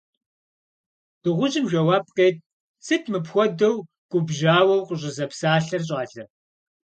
Дыгъужьым жэуап къет: – Сыт мыпхуэдэу губжьауэ укъыщӀызэпсалъэр, щӀалэ.